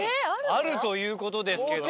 あるという事ですけども。